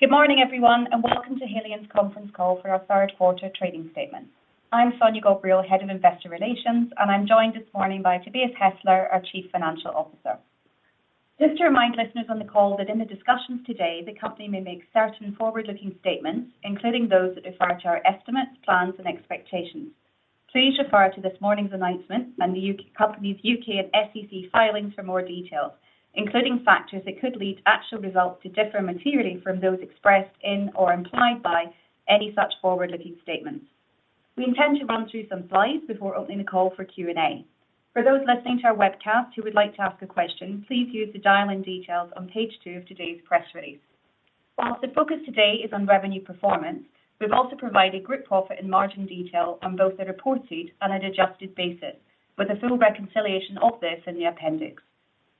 Good morning, everyone, and welcome to Haleon's conference call for our third quarter trading statement. I'm Sonya Ghobrial, Head of Investor Relations, and I'm joined this morning by Tobias Hestler, our Chief Financial Officer. Just to remind listeners on the call that in the discussions today, the company may make certain forward-looking statements, including those that refer to our estimates, plans and expectations. Please refer to this morning's announcement and the company's UK and SEC filings for more details, including factors that could lead actual results to differ materially from those expressed in or implied by any such forward-looking statements. We intend to run through some slides before opening the call for Q&A. For those listening to our webcast who would like to ask a question, please use the dial-in details on page two of today's press release. While the focus today is on revenue performance, we've also provided group profit and margin detail on both the reported and an adjusted basis, with a full reconciliation of this in the appendix.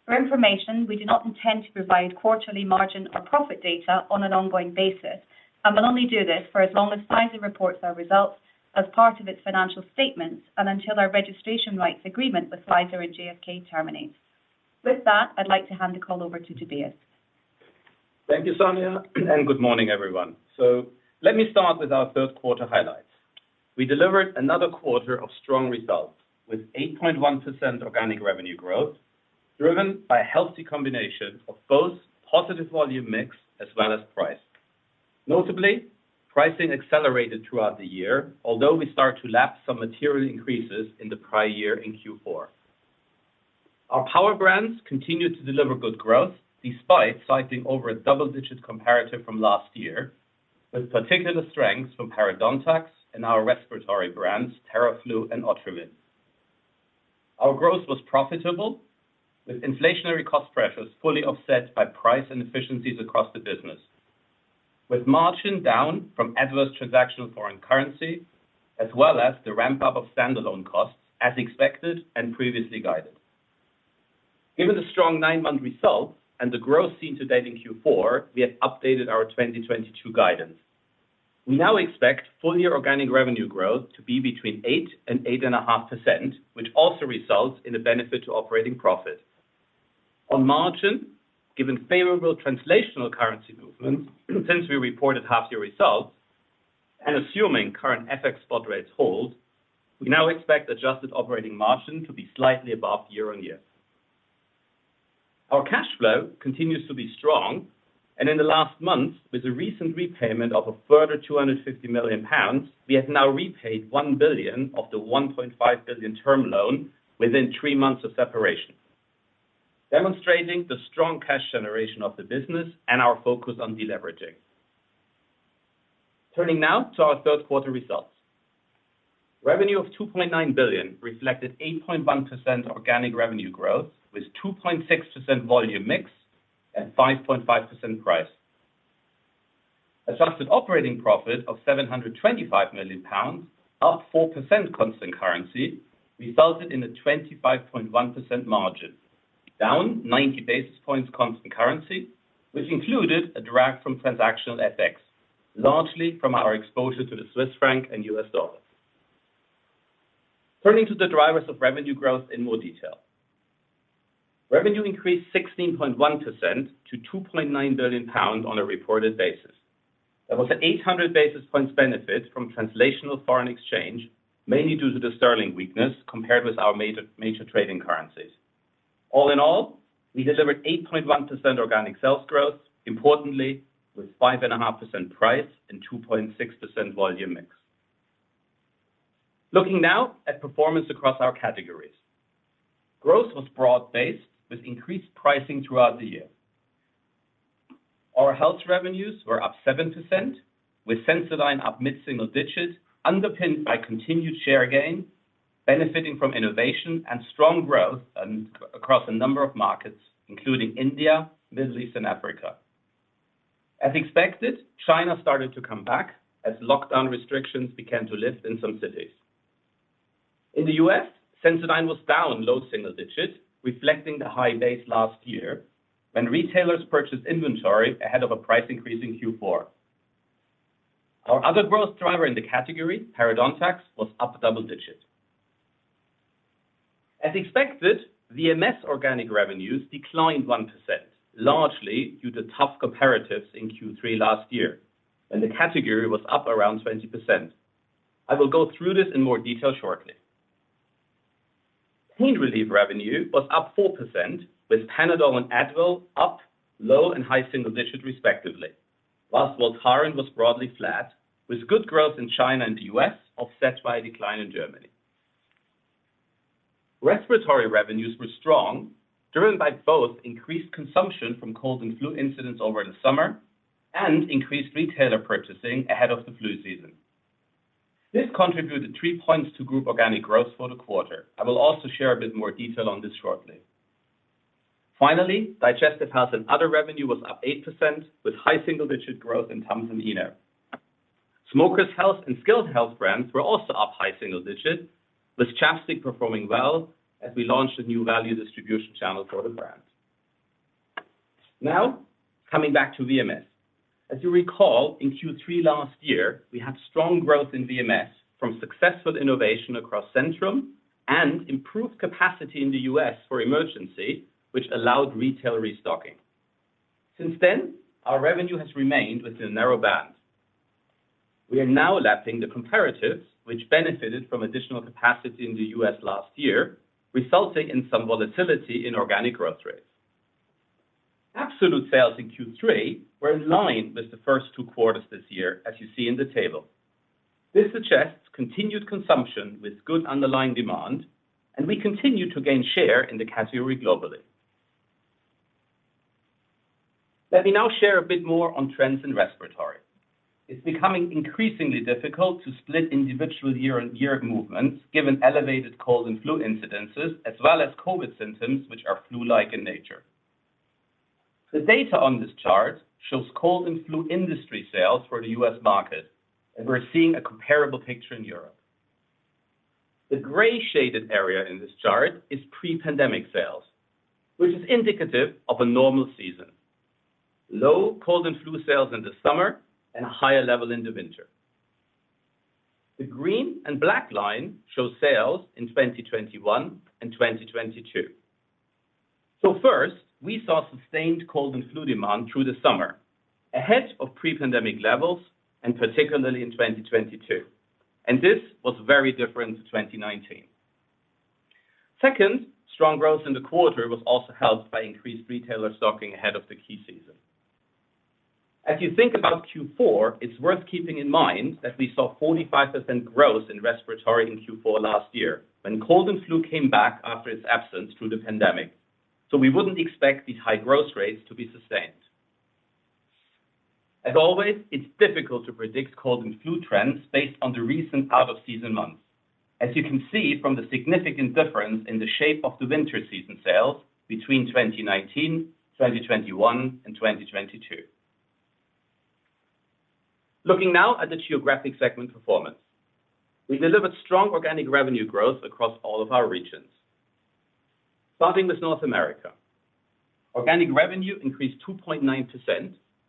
For information, we do not intend to provide quarterly margin or profit data on an ongoing basis and will only do this for as long as Pfizer reports our results as part of its financial statements and until our registration rights agreement with Pfizer and GSK terminates. With that, I'd like to hand the call over to Tobias. Thank you, Sonya, and good morning, everyone. Let me start with our third quarter highlights. We delivered another quarter of strong results with 8.1% organic revenue growth, driven by a healthy combination of both positive volume mix as well as price. Notably, pricing accelerated throughout the year, although we start to lap some material increases in the prior year in Q4. Our power brands continued to deliver good growth despite a double-digit comparative from last year, with particular strengths from Parodontax and our respiratory brands, Theraflu and Otrivin. Our growth was profitable, with inflationary cost pressures fully offset by price and efficiencies across the business, with margin down from adverse transactional foreign currency, as well as the ramp up of standalone costs as expected and previously guided. Given the strong 9-month results and the growth seen to date in Q4, we have updated our 2022 guidance. We now expect full-year organic revenue growth to be between 8% and 8.5%, which also results in a benefit to operating profit. On margin, given favorable translational currency movements since we reported half-year results and assuming current FX spot rates hold, we now expect adjusted operating margin to be slightly above year-on-year. Our cash flow continues to be strong, and in the last month, with the recent repayment of a further 250 million pounds, we have now repaid 1 billion of the 1.5 billion term loan within three months of separation, demonstrating the strong cash generation of the business and our focus on deleveraging. Turning now to our third quarter results. Revenue of 2.9 billion reflected 8.1% organic revenue growth, with 2.6% volume mix and 5.5% price. Adjusted operating profit of 725 million pounds, up 4% constant currency, resulted in a 25.1% margin, down 90 basis points constant currency, which included a drag from transactional FX, largely from our exposure to the Swiss franc and US dollar. Turning to the drivers of revenue growth in more detail. Revenue increased 16.1% to 2.9 billion pounds on a reported basis. There was an 800 basis points benefit from translational foreign exchange, mainly due to the sterling weakness compared with our major trading currencies. All in all, we delivered 8.1% organic sales growth, importantly with 5.5% price and 2.6% volume mix. Looking now at performance across our categories. Growth was broad-based, with increased pricing throughout the year. Our health revenues were up 7%, with Sensodyne up mid-single digits, underpinned by continued share gain, benefiting from innovation and strong growth and across a number of markets, including India, Middle East and Africa. As expected, China started to come back as lockdown restrictions began to lift in some cities. In the U.S., Sensodyne was down low single digits, reflecting the high base last year when retailers purchased inventory ahead of a price increase in Q4. Our other growth driver in the category, Parodontax, was up double digits. As expected, VMS organic revenues declined 1%, largely due to tough comparatives in Q3 last year, and the category was up around 20%. I will go through this in more detail shortly. Pain relief revenue was up 4%, with Panadol and Advil up low and high single digits respectively. While Voltaren was broadly flat, with good growth in China and the US offset by a decline in Germany. Respiratory revenues were strong, driven by both increased consumption from cold and flu incidents over the summer and increased retailer purchasing ahead of the flu season. This contributed three points to group organic growth for the quarter. I will also share a bit more detail on this shortly. Finally, Digestive Health and Other revenue was up 8%, with high single-digit growth in TUMS and ENO. Smoker's Health and Skilled Health brands were also up high single digit, with ChapStick performing well as we launched a new value distribution channel for the brand. Now, coming back to VMS. As you recall, in Q3 last year, we had strong growth in VMS from successful innovation across Centrum and improved capacity in the U.S. for Emergen-C, which allowed retail restocking. Since then, our revenue has remained within a narrow band. We are now lapping the comparatives, which benefited from additional capacity in the U.S. last year, resulting in some volatility in organic growth rates. Absolute sales in Q3 were in line with the first two quarters this year, as you see in the table. This suggests continued consumption with good underlying demand, and we continue to gain share in the category globally. Let me now share a bit more on trends in respiratory. It's becoming increasingly difficult to split individual year-on-year movements, given elevated cold and flu incidences, as well as COVID symptoms, which are flu-like in nature. The data on this chart shows cold and flu industry sales for the U.S. market, and we're seeing a comparable picture in Europe. The gray shaded area in this chart is pre-pandemic sales, which is indicative of a normal season. Low cold and flu sales in the summer and a higher level in the winter. The green and black line shows sales in 2021 and 2022. First, we saw sustained cold and flu demand through the summer, ahead of pre-pandemic levels, and particularly in 2022. This was very different to 2019. Second, strong growth in the quarter was also helped by increased retailer stocking ahead of the key season. As you think about Q4, it's worth keeping in mind that we saw 45% growth in respiratory in Q4 last year when cold and flu came back after its absence through the pandemic. We wouldn't expect these high growth rates to be sustained. As always, it's difficult to predict cold and flu trends based on the recent out-of-season months. As you can see from the significant difference in the shape of the winter season sales between 2019, 2021, and 2022. Looking now at the geographic segment performance. We delivered strong organic revenue growth across all of our regions. Starting with North America. Organic revenue increased 2.9%,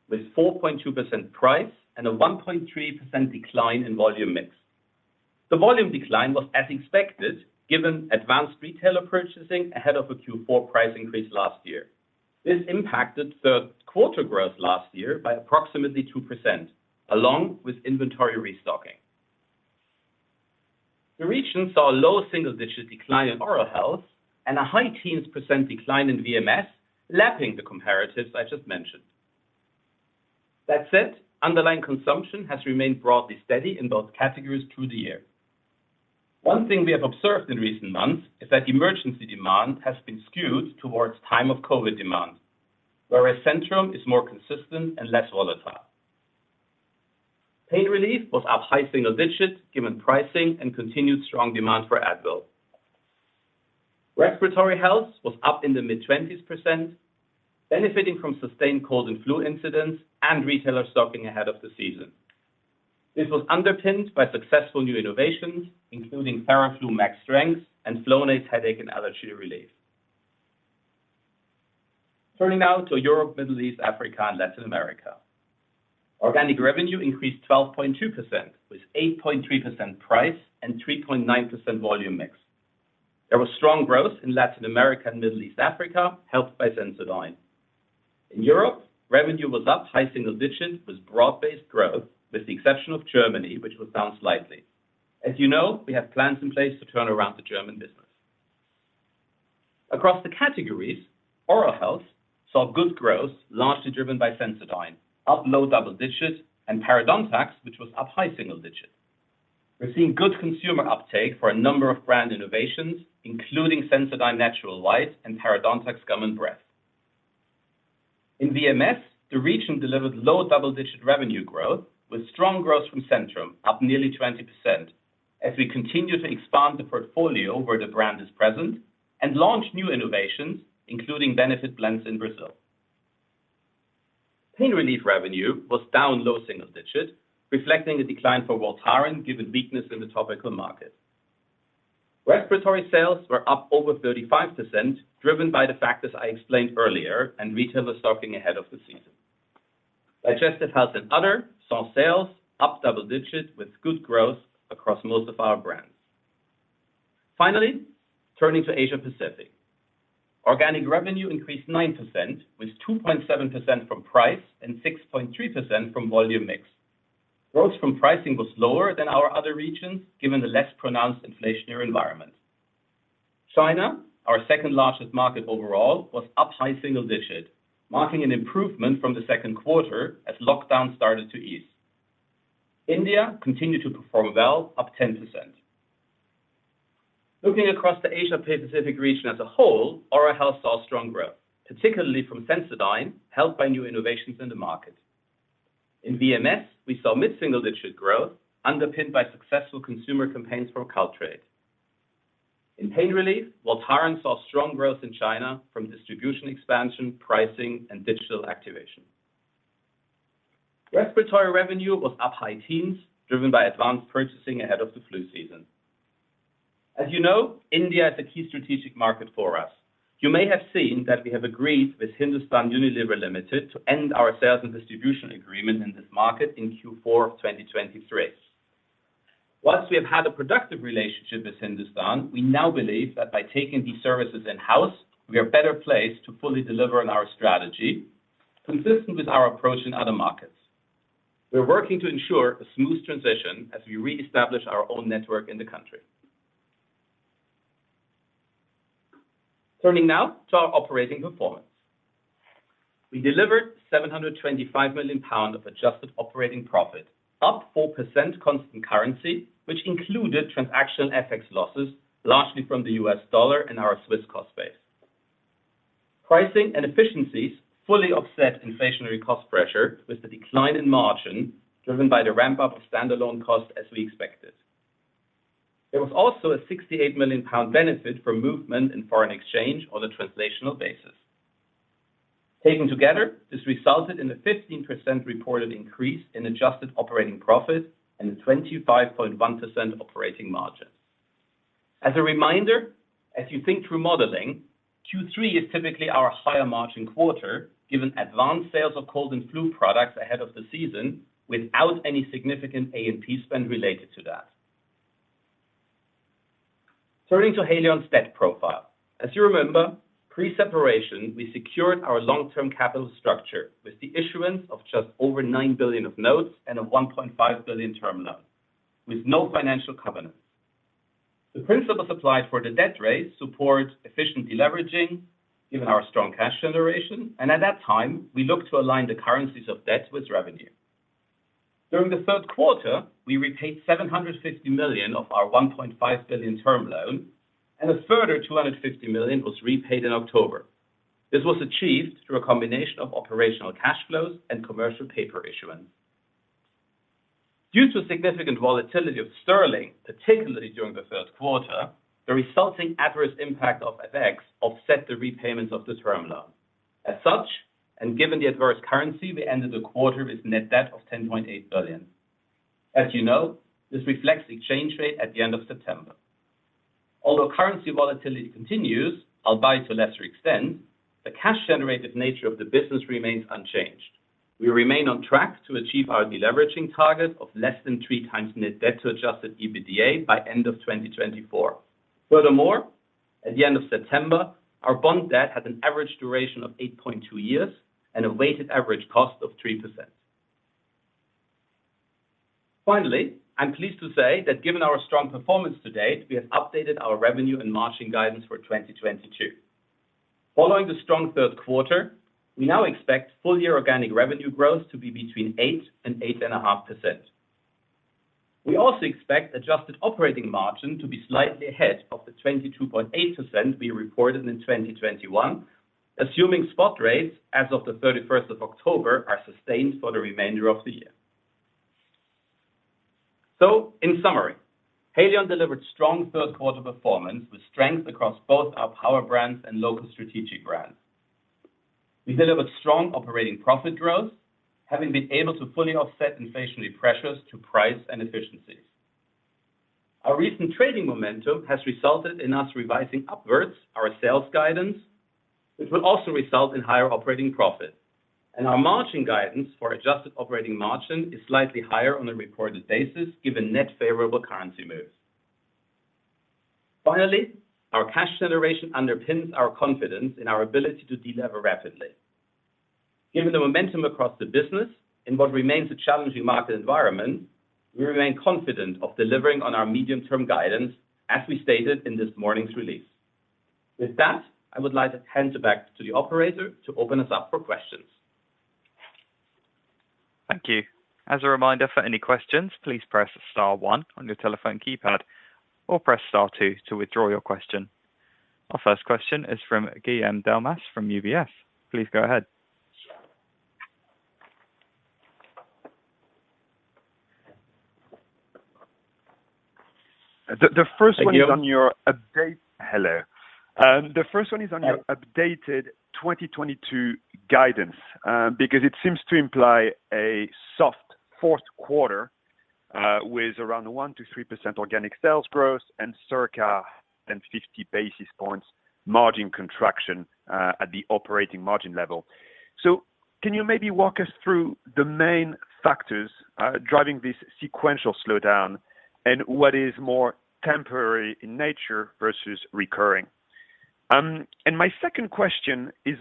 with 4.2% price and a 1.3% decline in volume mix. The volume decline was as expected, given advanced retailer purchasing ahead of a Q4 price increase last year. This impacted third quarter growth last year by approximately 2%, along with inventory restocking. The region saw a low single-digit decline in oral health and a high teens % decline in VMS, lapping the comparatives I just mentioned. That said, underlying consumption has remained broadly steady in both categories through the year. One thing we have observed in recent months is that Emergen-C demand has been skewed towards times of COVID demand, whereas Centrum is more consistent and less volatile. Pain relief was up high single digits given pricing and continued strong demand for Advil. Respiratory health was up in the mid-20s %, benefiting from sustained cold and flu incidents and retailer stocking ahead of the season. This was underpinned by successful new innovations, including Theraflu Max Strength and Flonase Headache & Allergy Relief. Turning now to Europe, Middle East, Africa, and Latin America. Organic revenue increased 12.2%, with 8.3% price and 3.9% volume mix. There was strong growth in Latin America and Middle East Africa, helped by Sensodyne. In Europe, revenue was up high single digits with broad-based growth, with the exception of Germany, which was down slightly. As you know, we have plans in place to turn around the German business. Across the categories, oral health saw good growth, largely driven by Sensodyne, up low double digits, and Parodontax, which was up high single digits. We're seeing good consumer uptake for a number of brand innovations, including Sensodyne Natural White and Parodontax Gum+ Breath. In VMS, the region delivered low double-digit revenue growth, with strong growth from Centrum, up nearly 20%, as we continue to expand the portfolio where the brand is present and launch new innovations, including Benefit Blends in Brazil. Pain relief revenue was down low single digits, reflecting a decline for Voltaren given weakness in the topical market. Respiratory sales were up over 35%, driven by the factors I explained earlier and retailer stocking ahead of the season. Digestive health and other saw sales up double digits with good growth across most of our brands. Finally, turning to Asia Pacific. Organic revenue increased 9%, with 2.7% from price and 6.3% from volume mix. Growth from pricing was lower than our other regions, given the less pronounced inflationary environment. China, our second-largest market overall, was up high single digits, marking an improvement from the second quarter as lockdown started to ease. India continued to perform well, up 10%. Looking across the Asia Pacific region as a whole, oral health saw strong growth, particularly from Sensodyne, helped by new innovations in the market. In VMS, we saw mid-single-digit growth, underpinned by successful consumer campaigns for Caltrate. In pain relief, Voltaren saw strong growth in China from distribution expansion, pricing, and digital activation. Respiratory revenue was up high teens, driven by advanced purchasing ahead of the flu season. As you know, India is a key strategic market for us. You may have seen that we have agreed with Hindustan Unilever Limited to end our sales and distribution agreement in this market in Q4 of 2023. While we have had a productive relationship with Hindustan, we now believe that by taking these services in-house, we are better placed to fully deliver on our strategy, consistent with our approach in other markets. We are working to ensure a smooth transition as we reestablish our own network in the country. Turning now to our operating performance. We delivered 725 million pounds of adjusted operating profit, up 4% constant currency, which included transaction FX losses, largely from the US dollar and our Swiss cost base. Pricing and efficiencies fully offset inflationary cost pressure with the decline in margin driven by the ramp-up of standalone costs as we expected. There was also a 68 million pound benefit from movement in foreign exchange on the translational basis. Taken together, this resulted in a 15% reported increase in adjusted operating profit and a 25.1% operating margin. As a reminder, as you think through modeling, Q3 is typically our higher margin quarter, given advanced sales of cold and flu products ahead of the season without any significant A&P spend related to that. Turning to Haleon's debt profile. As you remember, pre-separation, we secured our long-term capital structure with the issuance of just over 9 billion of notes and a 1.5 billion term loan with no financial covenants. The principles applied for the debt raise support efficient deleveraging given our strong cash generation, and at that time, we looked to align the currencies of debt with revenue. During the third quarter, we repaid 750 million of our 1.5 billion term loan, and a further 250 million was repaid in October. This was achieved through a combination of operational cash flows and commercial paper issuance. Due to significant volatility of sterling, particularly during the third quarter, the resulting adverse impact of FX offset the repayments of the term loan. As such, and given the adverse currency, we ended the quarter with net debt of 10.8 billion. As you know, this reflects the exchange rate at the end of September. Although currency volatility continues, albeit to a lesser extent, the cash generated nature of the business remains unchanged. We remain on track to achieve our deleveraging target of less than 3x net debt to adjusted EBITDA by end of 2024. Furthermore, at the end of September, our bond debt had an average duration of 8.2 years and a weighted average cost of 3%. Finally, I am pleased to say that given our strong performance to date, we have updated our revenue and margin guidance for 2022. Following the strong third quarter, we now expect full-year organic revenue growth to be between 8% and 8.5%. We also expect adjusted operating margin to be slightly ahead of the 22.8% we reported in 2021, assuming spot rates as of the thirty-first of October are sustained for the remainder of the year. In summary, Haleon delivered strong third quarter performance with strength across both our power brands and local strategic brands. We delivered strong operating profit growth, having been able to fully offset inflationary pressures to price and efficiencies. Our recent trading momentum has resulted in us revising upwards our sales guidance, which will also result in higher operating profit, and our margin guidance for adjusted operating margin is slightly higher on a reported basis given net favorable currency moves. Finally, our cash generation underpins our confidence in our ability to deliver rapidly. Given the momentum across the business in what remains a challenging market environment, we remain confident of delivering on our medium-term guidance, as we stated in this morning's release. With that, I would like to hand it back to the operator to open us up for questions. Thank you. As a reminder, for any questions, please press star one on your telephone keypad or press star two to withdraw your question. Our first question is from Guillaume Delmas from UBS. Please go ahead. The first one is on your- Guillaume? Hello. The first one is on your updated 2022 guidance, because it seems to imply a soft fourth quarter, with around 1%-3% organic sales growth and circa 50 basis points margin contraction, at the operating margin level. Can you maybe walk us through the main factors, driving this sequential slowdown and what is more temporary in nature versus recurring? My second question is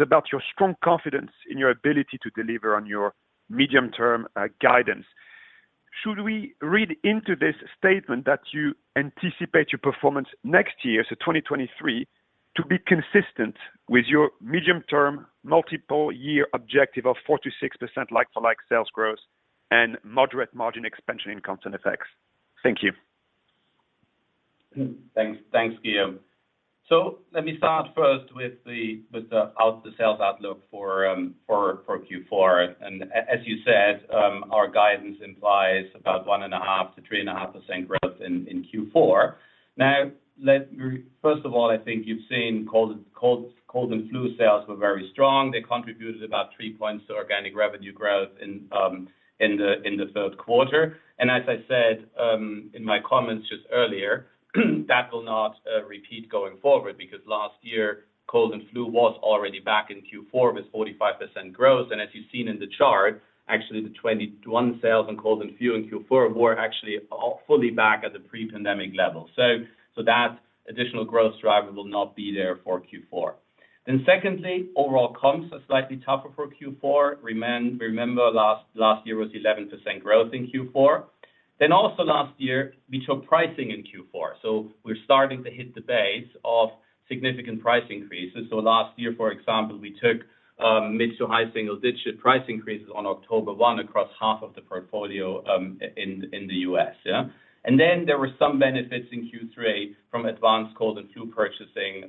about your strong confidence in your ability to deliver on your medium-term guidance. Should we read into this statement that you anticipate your performance next year, so 2023, to be consistent with your medium-term multi-year objective of 4%-6% like-for-like sales growth and moderate margin expansion in constant FX? Thank you. Thanks, Guillaume. Let me start first with the sales outlook for Q4. As you said, our guidance implies about 1.5%-3.5% growth in Q4. First of all, I think you've seen cold and flu sales were very strong. They contributed about three points to organic revenue growth in the third quarter. As I said, in my comments just earlier, that will not repeat going forward because last year cold and flu was already back in Q4 with 45% growth. As you've seen in the chart, actually the 2021 sales in cold and flu in Q4 were actually all fully back at the pre-pandemic level. That additional growth driver will not be there for Q4. Secondly, overall comps are slightly tougher for Q4. Remember last year was 11% growth in Q4. Also last year we took pricing in Q4, so we're starting to hit the base of significant price increases. Last year, for example, we took mid to high single digit price increases on October 1 across half of the portfolio in the U.S., yeah. There were some benefits in Q3 from advanced cold and flu purchasing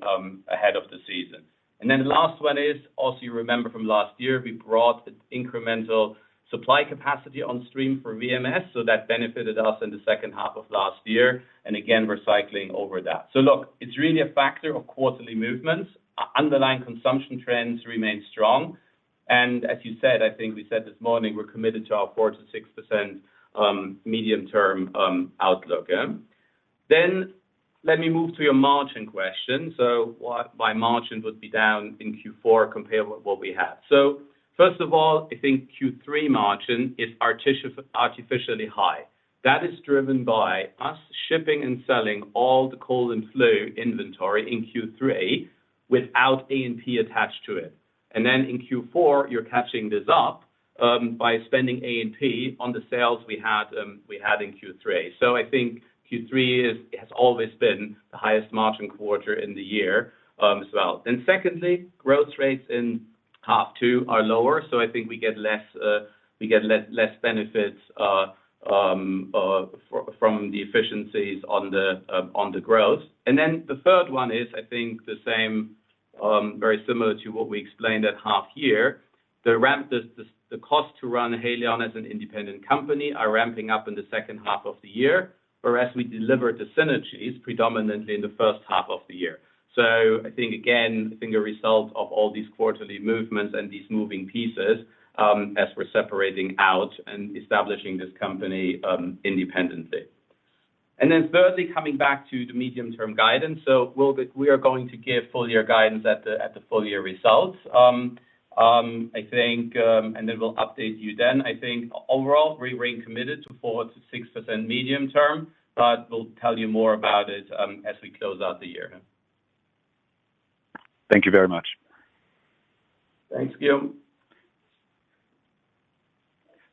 ahead of the season. The last one is also, you remember from last year, we brought incremental supply capacity on stream for VMS, so that benefited us in the second half of last year, and again, we're cycling over that. Look, it's really a factor of quarterly movements. Underlying consumption trends remain strong. As you said, I think we said this morning we're committed to our 4%-6% medium-term outlook, yeah. Let me move to your margin question. Why margin would be down in Q4 compared with what we have? First of all, I think Q3 margin is artificially high. That is driven by us shipping and selling all the cold and flu inventory in Q3 without A&P attached to it. In Q4, you're catching this up by spending A&P on the sales we had in Q3. I think Q3 has always been the highest margin quarter in the year, as well. Secondly, growth rates in half two are lower, so I think we get less benefits from the efficiencies on the growth. The third one is, I think the same, very similar to what we explained at half year. The cost to run Haleon as an independent company are ramping up in the second half of the year, whereas we delivered the synergies predominantly in the first half of the year. I think again a result of all these quarterly movements and these moving pieces, as we're separating out and establishing this company, independently. Thirdly, coming back to the medium-term guidance. We are going to give full year guidance at the full year results. I think and then we'll update you then. I think overall we remain committed to 4%-6% medium term, but we'll tell you more about it as we close out the year. Thank you very much. Thanks, Guillaume.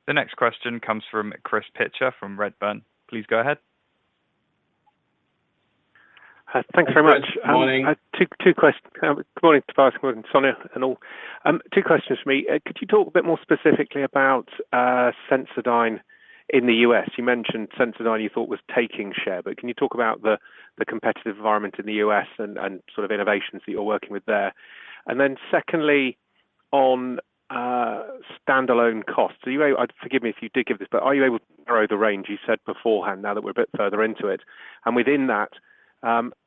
The next question comes from Chris Pitcher from Redburn. Please go ahead. Thanks very much. Good morning. Good morning, Tobias. Good morning, Sonya and all. Two questions for me. Could you talk a bit more specifically about Sensodyne in the US? You mentioned Sensodyne you thought was taking share, but can you talk about the competitive environment in the US and sort of innovations that you're working with there? Secondly, on standalone costs. Forgive me if you did give this, but are you able to narrow the range you set beforehand now that we're a bit further into it? Within that,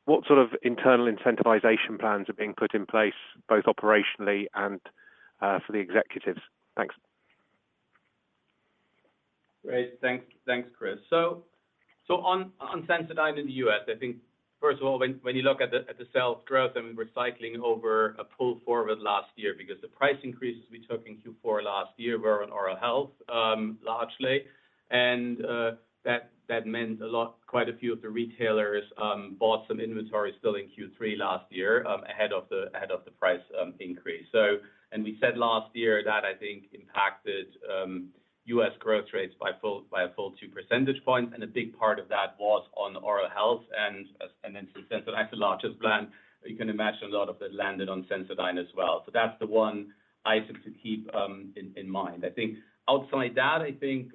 what sort of internal incentivization plans are being put in place both operationally and for the executives? Thanks. Great. Thanks, Chris. On Sensodyne in the US, I think first of all, when you look at the sales growth and we're recycling over a pull forward last year because the price increases we took in Q4 last year were on oral health, largely. That meant a lot, quite a few of the retailers bought some inventory still in Q3 last year ahead of the price increase. We said last year that I think impacted US growth rates by a full two percentage points, and a big part of that was on oral health and then since that's the largest brand, you can imagine a lot of it landed on Sensodyne as well. That's the one item to keep in mind. I think outside that, I think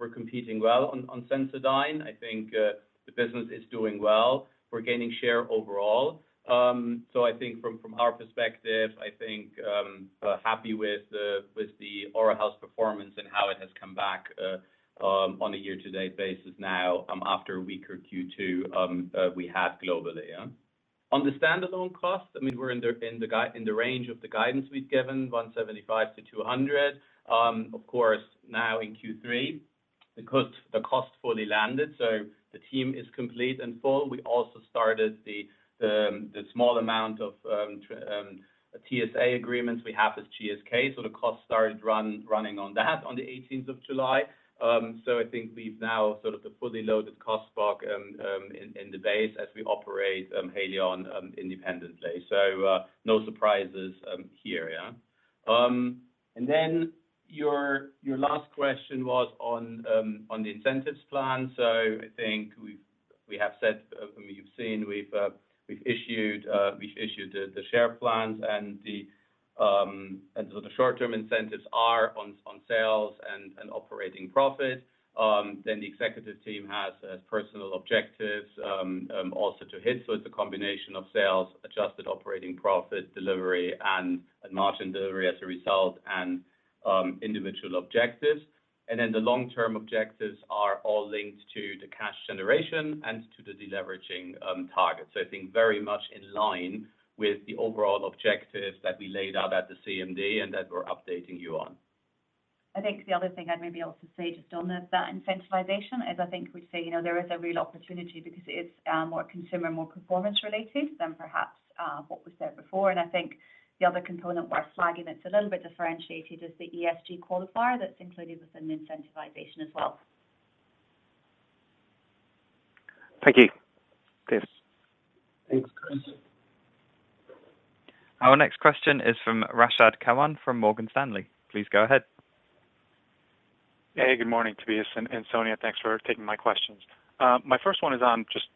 we're competing well on Sensodyne. I think the business is doing well. We're gaining share overall. I think from our perspective, I think happy with the oral health performance and how it has come back on a year-to-date basis now, after a weaker Q2 we had globally. On the standalone cost, I mean, we're in the range of the guidance we've given, 175-200. Of course, now in Q3, the cost fully landed, so the team is complete and full. We also started the small amount of TSA agreements we have with GSK, so the cost started running on that on the eighteenth of July. I think we've now sort of the fully loaded cost stack in the base as we operate Haleon independently. No surprises here, yeah. Then your last question was on the incentives plan. I think we have said, you've seen, we've issued the share plans and the short-term incentives are on sales and operating profit. The executive team has personal objectives also to hit. It's a combination of sales, adjusted operating profit delivery and margin delivery as a result and individual objectives. The long-term objectives are all linked to the cash generation and to the deleveraging target. I think very much in line with the overall objectives that we laid out at the CMD and that we're updating you on. I think the other thing I'd maybe also say just on that incentivization is I think we say, you know, there is a real opportunity because it's more consumer, more performance related than perhaps what was there before. I think the other component worth flagging, it's a little bit differentiated, is the ESG qualifier that's included within the incentivization as well. Thank you. Cheers. Thanks, Chris. Our next question is from Rashad Kawan from Morgan Stanley. Please go ahead. Hey, good morning, Tobias and Sonya. Thanks for taking my questions. My first one is on just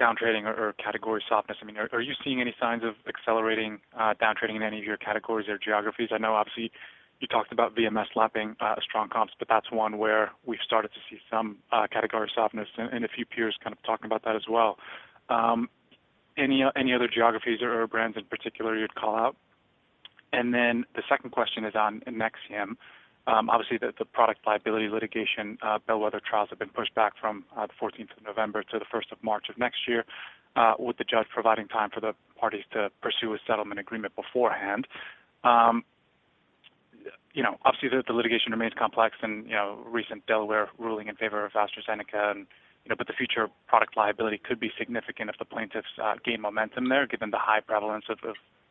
downtrading or category softness. I mean, are you seeing any signs of accelerating downtrading in any of your categories or geographies? I know obviously you talked about VMS lapping strong comps, but that's one where we've started to see some category softness and a few peers kind of talking about that as well. Any other geographies or brands in particular you'd call out? The second question is on Nexium. Obviously the product liability litigation bellwether trials have been pushed back from the fourteenth of November to the first of March of next year with the judge providing time for the parties to pursue a settlement agreement beforehand. You know, obviously the litigation remains complex and, you know, recent Delaware ruling in favor of AstraZeneca and, you know, but the future product liability could be significant if the plaintiffs gain momentum there given the high prevalence of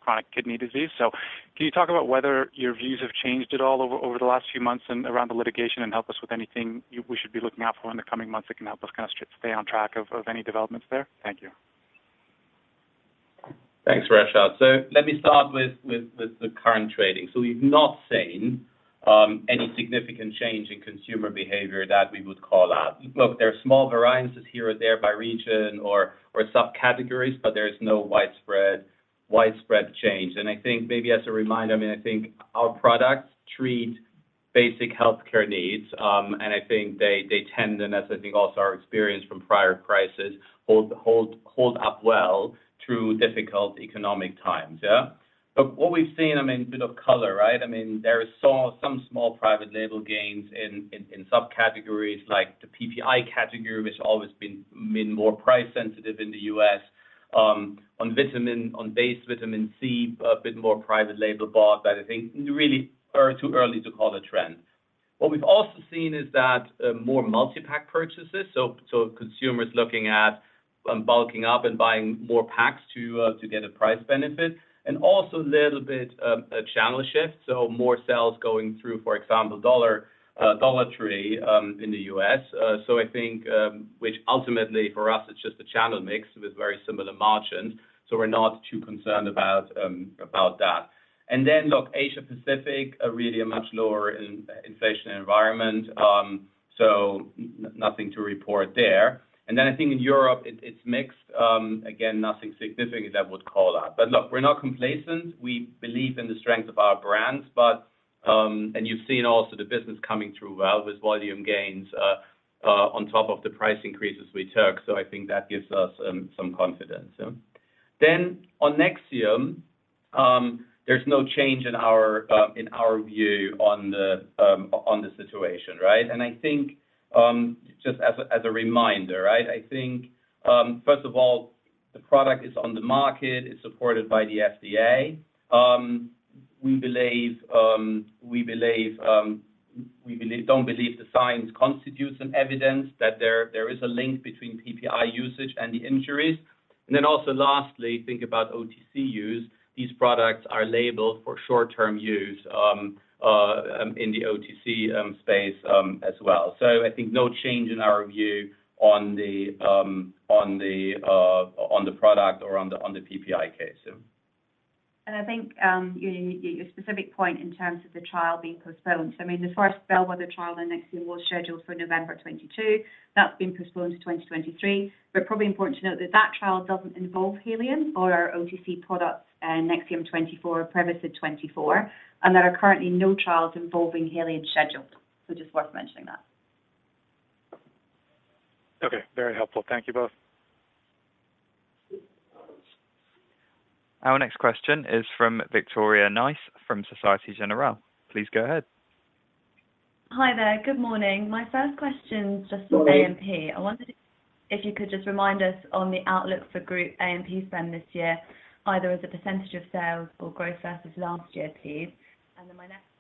chronic kidney disease. Can you talk about whether your views have changed at all over the last few months and around the litigation and help us with anything we should be looking out for in the coming months that can help us kind of stay on track of any developments there? Thank you. Thanks, Rashad. Let me start with the current trading. We've not seen any significant change in consumer behavior that we would call out. Look, there are small variances here or there by region or subcategories, but there's no widespread change. I think maybe as a reminder, I mean, I think our products treat basic healthcare needs, and I think they tend, and as I think also our experience from prior crisis hold up well through difficult economic times. Yeah. What we've seen, I mean, a bit of color, right? I mean, there is some small private label gains in subcategories like the PPI category, which always been more price sensitive in the U.S., on base vitamin C, a bit more private label bought. I think really a bit too early to call a trend. What we've also seen is that more multi-pack purchases, so consumers looking at bulking up and buying more packs to get a price benefit and also a little bit a channel shift, so more sales going through, for example, Dollar Tree in the U.S. So I think which ultimately for us it's just a channel mix with very similar margins, so we're not too concerned about that. Then look, Asia Pacific are really a much lower inflation environment, so nothing to report there. Then I think in Europe, it's mixed. Again, nothing significant that would call out. Look, we're not complacent. We believe in the strength of our brands, but and you've seen also the business coming through well with volume gains on top of the price increases we took. I think that gives us some confidence, yeah. On Nexium, there's no change in our view on the situation, right? I think just as a reminder, right? I think first of all, the product is on the market. It's supported by the FDA. We don't believe the science constitutes an evidence that there is a link between PPI usage and the injuries. Also lastly, think about OTC use. These products are labeled for short-term use in the OTC space as well. I think no change in our view on the product or on the PPI case. Yeah. I think your specific point in terms of the trial being postponed. I mean, as far as bellwether trial, the Nexium was scheduled for November 2022. That's been postponed to 2023. Probably important to note that that trial doesn't involve Haleon or our OTC products, Nexium 24HR or Prevacid 24HR, and there are currently no trials involving Haleon scheduled. Just worth mentioning that. Okay. Very helpful. Thank you both. Our next question is from Victoria Nice from Société Générale. Please go ahead. Hi there. Good morning. My first question is just on A&P. I wondered if you could just remind us on the outlook for group A&P spend this year, either as a percentage of sales or growth versus last year, please. My next question is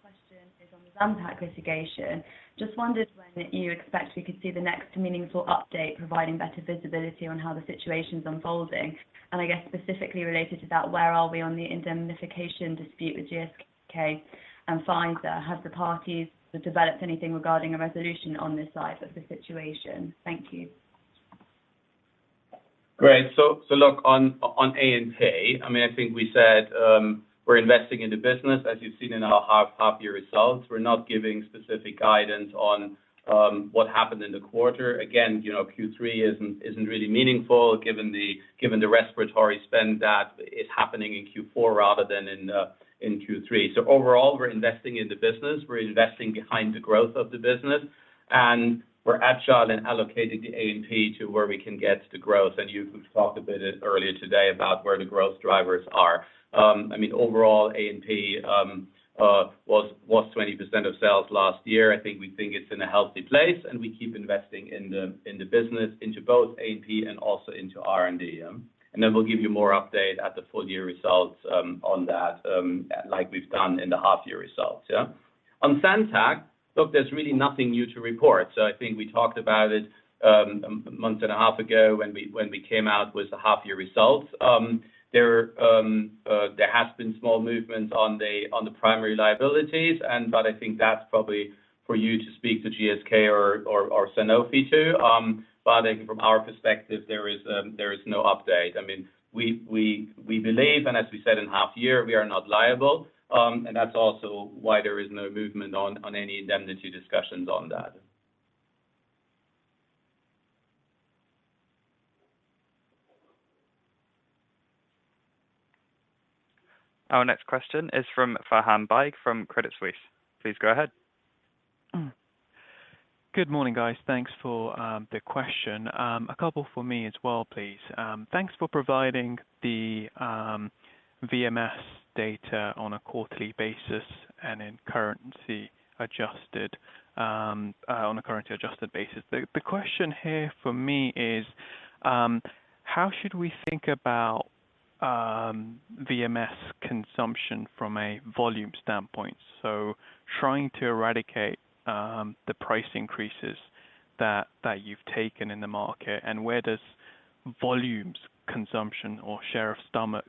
on the Zantac litigation. Just wondered when you expect we could see the next meaningful update providing better visibility on how the situation's unfolding. I guess specifically related to that, where are we on the indemnification dispute with GSK and Pfizer? Have the parties developed anything regarding a resolution on this side of the situation? Thank you. Great. Look, on A&P, I mean, I think we said we're investing in the business, as you've seen in our half-year results. We're not giving specific guidance on what happened in the quarter. Again, you know, Q3 isn't really meaningful given the respiratory spend that is happening in Q4 rather than in Q3. Overall, we're investing in the business, we're investing behind the growth of the business, and we're agile and allocating the A&P to where we can get the growth. You've talked a bit earlier today about where the growth drivers are. I mean, overall A&P was 20% of sales last year. I think we think it's in a healthy place, and we keep investing in the business into both A&P and also into R&D, yeah. We'll give you more update at the full year results, on that, like we've done in the half year results. Yeah. On Zantac, look, there's really nothing new to report. I think we talked about it, a month and a half ago when we came out with the half year results. There has been small movements on the primary liabilities and, but I think that's probably for you to speak to GSK or Sanofi too. But I think from our perspective, there is no update. I mean, we believe and as we said in half year, we are not liable. And that's also why there is no movement on any indemnity discussions on that. Our next question is from Faham Baig from Credit Suisse. Please go ahead. Good morning, guys. Thanks for the question. A couple for me as well, please. Thanks for providing the VMS data on a quarterly basis and on a currency adjusted basis. The question here for me is how should we think about VMS consumption from a volume standpoint. Trying to isolate the price increases that you've taken in the market, and where does volumes consumption or share of stomach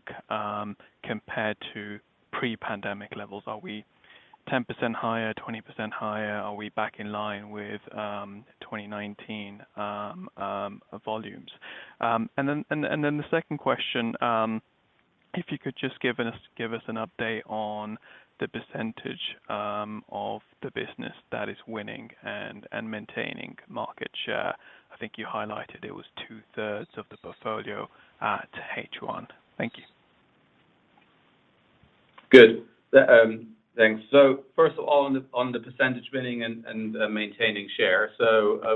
compare to pre-pandemic levels. Are we 10% higher, 20% higher. Are we back in line with 2019 volumes. And then the second question, if you could just give us an update on the percentage of the business that is winning and maintaining market share. I think you highlighted it was two-thirds of the portfolio at H1. Thank you. Good. Thanks. First of all, on the percentage winning and maintaining share.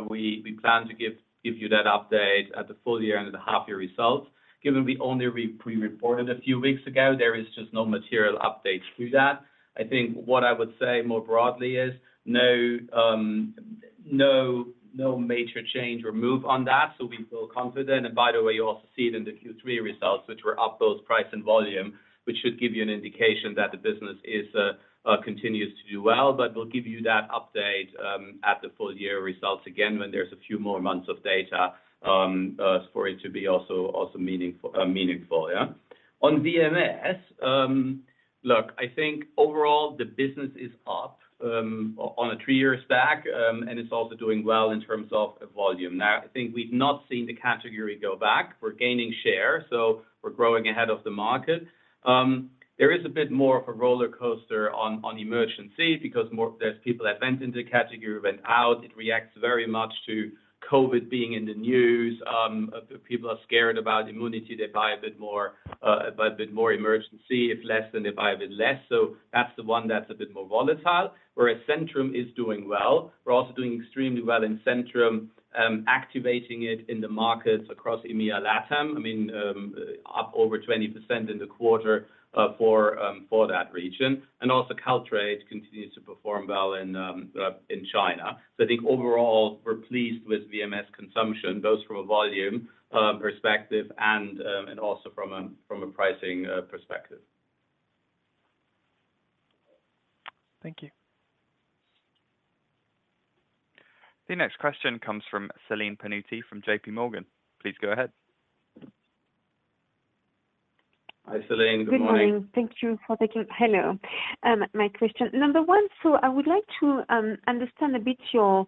We plan to give you that update at the full year and half year results. Given we only pre-reported a few weeks ago, there is just no material update to that. I think what I would say more broadly is no major change or move on that. We feel confident. By the way, you also see it in the Q3 results, which were up both price and volume, which should give you an indication that the business continues to do well. We'll give you that update at the full year results again, when there's a few more months of data for it to be also meaningful. On VMS, look, I think overall the business is up, on a three-year stack, and it's also doing well in terms of volume. Now, I think we've not seen the category go back. We're gaining share, so we're growing ahead of the market. There is a bit more of a roller coaster on Emergen-C because there's people that went into the category, went out. It reacts very much to COVID being in the news. If people are scared about immunity, they buy a bit more Emergen-C. If less, then they buy a bit less. So that's the one that's a bit more volatile. Whereas Centrum is doing well. We're also doing extremely well in Centrum, activating it in the markets across EMEA, LATAM. I mean, up over 20% in the quarter for that region. Also Caltrate continues to perform well in China. I think overall, we're pleased with VMS consumption, both from a volume perspective and also from a pricing perspective. Thank you. The next question comes from Celine Pannuti from JP Morgan. Please go ahead. Hi, Celine. Good morning. Good morning. My question number one: I would like to understand a bit your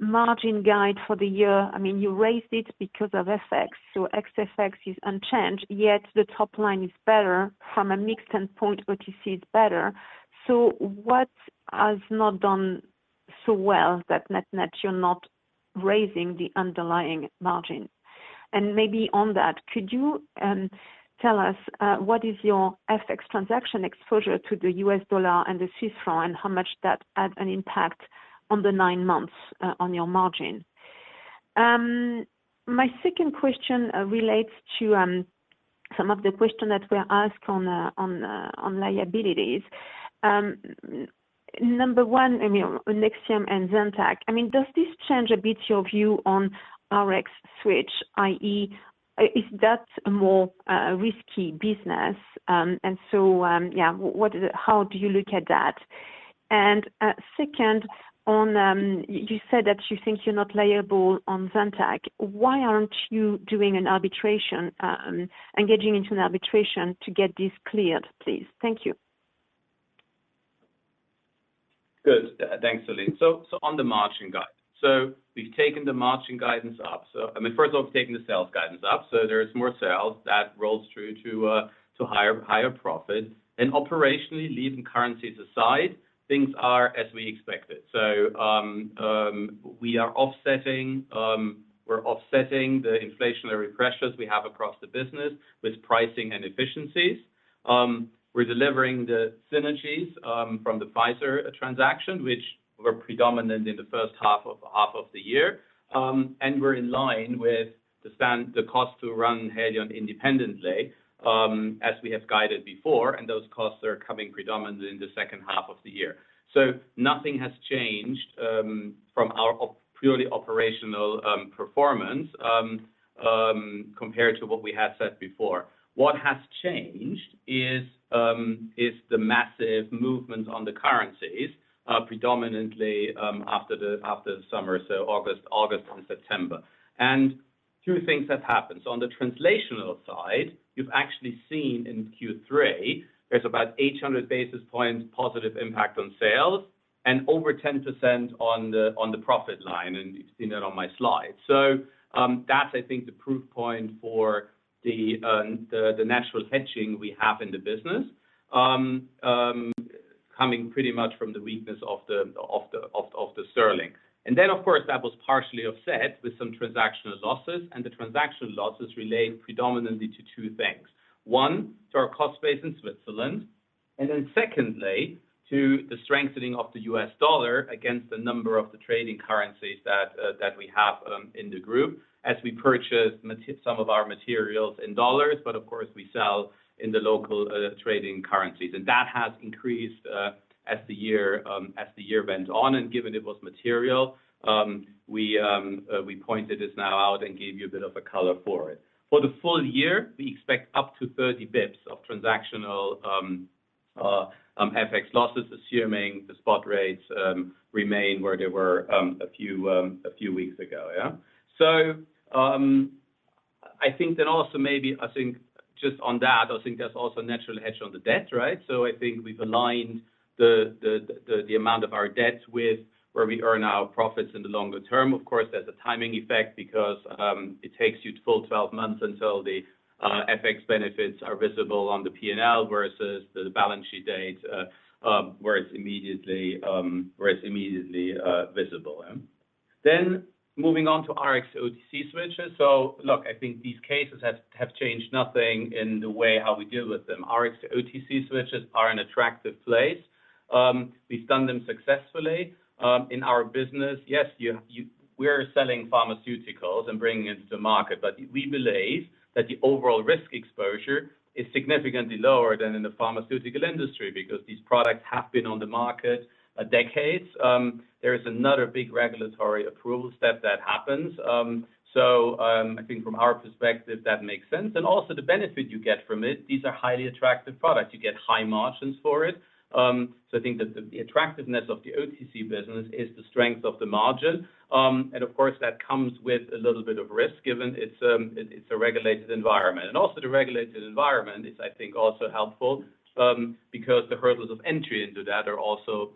margin guide for the year. I mean, you raised it because of FX, so ex FX is unchanged, yet the top line is better. From a mix standpoint, OTC is better. What has not done so well that net-net you're not raising the underlying margin? And maybe on that, could you tell us what is your FX transaction exposure to the US dollar and the Swiss franc, and how much that had an impact on the nine months on your margin? My second question relates to some of the questions that were asked on liabilities. Number one, I mean, Nexium and Zantac. I mean, does this change a bit your view on Rx switch, i.e., is that a more risky business? How do you look at that? Second one, you said that you think you're not liable on Zantac. Why aren't you doing an arbitration, engaging in an arbitration to get this cleared, please? Thank you. Good. Thanks, Celine. On the margin guide. We've taken the margin guidance up. I mean, first off, taken the sales guidance up, so there is more sales that rolls through to higher profit. Operationally, leaving currencies aside, things are as we expected. We're offsetting the inflationary pressures we have across the business with pricing and efficiencies. We're delivering the synergies from the Pfizer transaction, which were predominant in the first half of the year. We're in line with the cost to run Haleon independently, as we have guided before, and those costs are coming predominantly in the second half of the year. Nothing has changed from our purely operational performance compared to what we had said before. What has changed is the massive movement on the currencies, predominantly, after the summer, so August and September. Two things have happened. On the translational side, you've actually seen in Q3, there's about 800 basis points positive impact on sales and over 10% on the profit line, and you've seen that on my slide. That's, I think, the proof point for the natural hedging we have in the business, coming pretty much from the weakness of the sterling. Then, of course, that was partially offset with some transactional losses, and the transactional losses relate predominantly to two things. One, to our cost base in Switzerland. Then secondly, to the strengthening of the US dollar against the number of the trading currencies that we have in the group as we purchase some of our materials in dollars, but of course, we sell in the local trading currencies. That has increased as the year went on. Given it was material, we pointed this out and gave you a bit of a color for it. For the full year, we expect up to 30 basis points of transactional FX losses, assuming the spot rates remain where they were a few weeks ago, yeah. I think just on that, I think there's also natural hedge on the debt, right? I think we've aligned the amount of our debt with where we earn our profits in the longer term. Of course, there's a timing effect because it takes you the full 12 months until the FX benefits are visible on the P&L versus the balance sheet date, where it's immediately visible, yeah. Moving on to Rx to OTC switches. Look, I think these cases have changed nothing in the way how we deal with them. Rx to OTC switches are an attractive place. We've done them successfully in our business. Yes, we're selling pharmaceuticals and bringing into the market, but we believe that the overall risk exposure is significantly lower than in the pharmaceutical industry because these products have been on the market decades. There is another big regulatory approval step that happens. I think from our perspective, that makes sense. Also the benefit you get from it, these are highly attractive products. You get high margins for it. I think that the attractiveness of the OTC business is the strength of the margin. Of course, that comes with a little bit of risk given it's a regulated environment. The regulated environment is, I think, also helpful because the hurdles of entry into that are also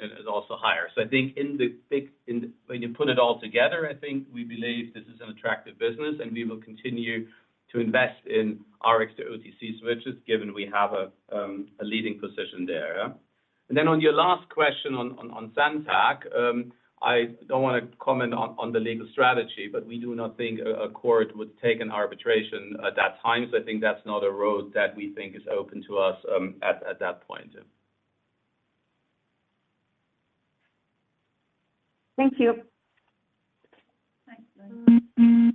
higher. I think when you put it all together, I think we believe this is an attractive business and we will continue to invest in Rx-to-OTC switches given we have a leading position there, yeah. On your last question on Zantac, I don't wanna comment on the legal strategy, but we do not think a court would take an arbitration at that time. I think that's not a road that we think is open to us, at that point, yeah. Thank you. Thanks.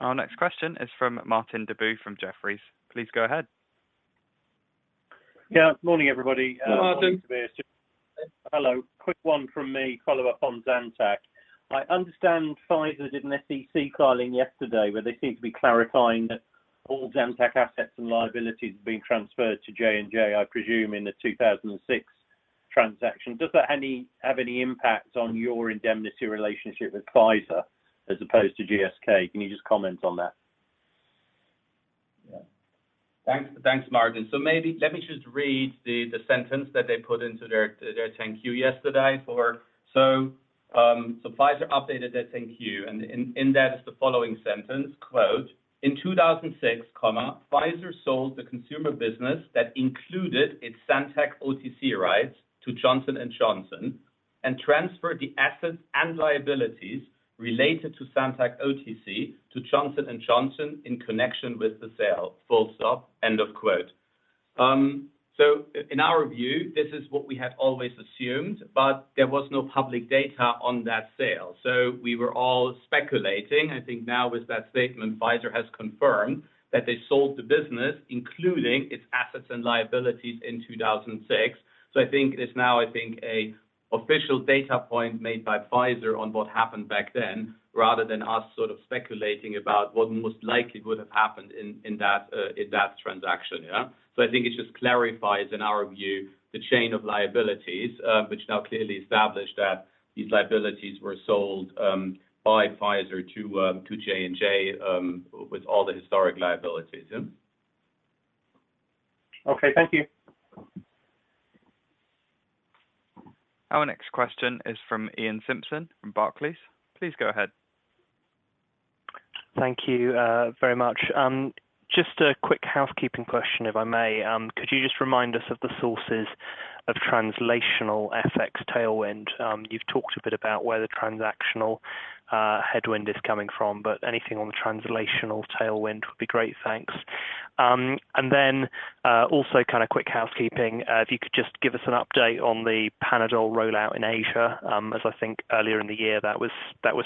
Our next question is from Martin Deboo from Jefferies. Please go ahead. Yeah. Morning, everybody. Martin. Hello. Quick one from me. Follow up on Zantac. I understand Pfizer did an SEC filing yesterday where they seem to be clarifying that all Zantac assets and liabilities have been transferred to J&J, I presume, in the 2006 transaction. Does that have any impact on your indemnity relationship with Pfizer as opposed to GSK? Can you just comment on that? Yeah. Thanks, Martin. Maybe let me just read the sentence that they put into their 10-Q yesterday. Pfizer updated their 10-Q, and in that is the following sentence, quote, "In 2006, Pfizer sold the consumer business that included its Zantac OTC rights to Johnson & Johnson and transferred the assets and liabilities related to Zantac OTC to Johnson & Johnson in connection with the sale." Full stop, end of quote. In our view, this is what we had always assumed, but there was no public data on that sale. We were all speculating. I think now with that statement, Pfizer has confirmed that they sold the business, including its assets and liabilities in 2006. I think it's now an official data point made by Pfizer on what happened back then, rather than us sort of speculating about what most likely would have happened in that transaction. I think it just clarifies, in our view, the chain of liabilities, which now clearly established that these liabilities were sold by Pfizer to J&J with all the historic liabilities. Okay, thank you. Our next question is from Iain Simpson from Barclays. Please go ahead. Thank you, very much. Just a quick housekeeping question, if I may. Could you just remind us of the sources of translational FX tailwind? You've talked a bit about where the transactional headwind is coming from, but anything on the translational tailwind would be great. Thanks. Also kind of quick housekeeping, if you could just give us an update on the Panadol rollout in Asia, as I think earlier in the year, that was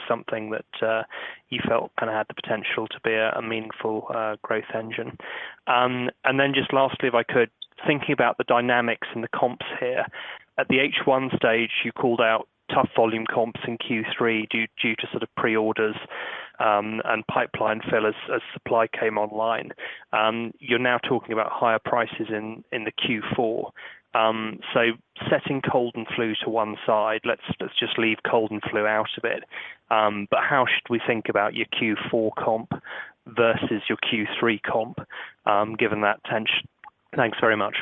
something that you felt kinda had the potential to be a meaningful growth engine. Just lastly, if I could, thinking about the dynamics and the comps here. At the H1 stage, you called out tough volume comps in Q3 due to sort of pre-orders and pipeline fill as supply came online. You're now talking about higher prices in the Q4. Setting cold and flu to one side, let's just leave cold and flu out of it. How should we think about your Q4 comp versus your Q3 comp, given that tension? Thanks very much.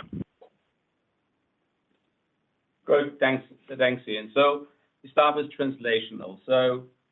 Great. Thanks. Thanks, Ian. To start with translational.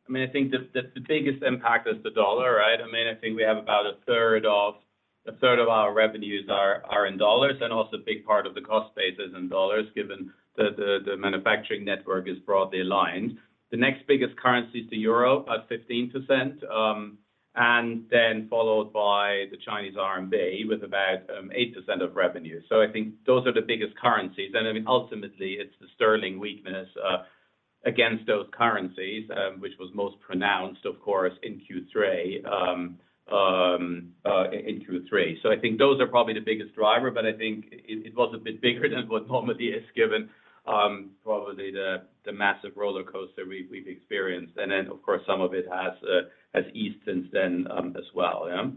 I mean, I think the biggest impact is the dollar, right? I mean, I think we have about a third of our revenues are in dollars, and also a big part of the cost base is in dollars, given the manufacturing network is broadly aligned. The next biggest currency is the euro at 15%, and then followed by the Chinese RMB with about 8% of revenue. I think those are the biggest currencies. I mean, ultimately, it's the sterling weakness against those currencies, which was most pronounced, of course, in Q3. I think those are probably the biggest driver, but I think it was a bit bigger than what normally is given, probably the massive rollercoaster we've experienced. Then, of course, some of it has eased since then, as well, yeah.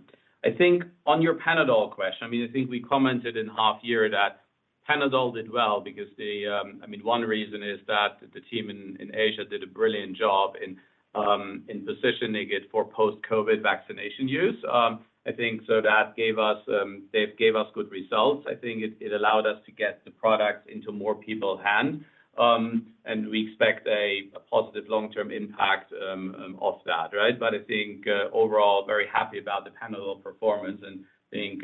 I think on your Panadol question, I mean, I think we commented in half year that Panadol did well because the, I mean, one reason is that the team in Asia did a brilliant job in positioning it for post-COVID vaccination use. I think so that they gave us good results. I think it allowed us to get the products into more people's hands. And we expect a positive long-term impact of that, right? I think overall very happy about the Panadol performance. I think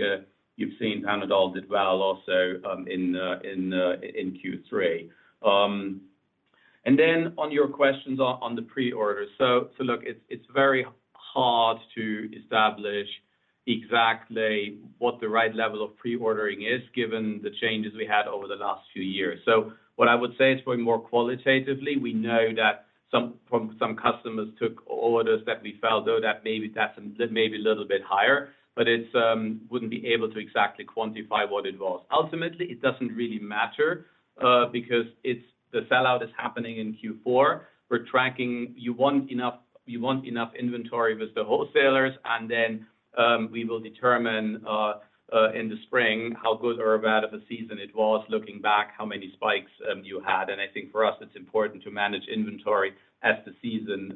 you've seen Panadol did well also in Q3. On your questions on the pre-order. Look, it's very hard to establish exactly what the right level of pre-ordering is given the changes we had over the last few years. What I would say is probably more qualitatively, we know that some customers took orders that we felt that maybe that's a little bit higher, but it wouldn't be able to exactly quantify what it was. Ultimately, it doesn't really matter because it's the sell-out is happening in Q4. We're tracking. You want enough inventory with the wholesalers, and then we will determine in the spring how good or bad of a season it was looking back, how many spikes you had. I think for us, it's important to manage inventory as the season